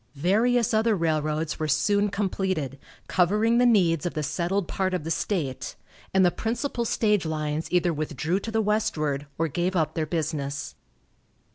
Various other railroads were soon completed, covering the needs of the settled part of the state, and the principal stage lines either withdrew to the westward, or gave up their business.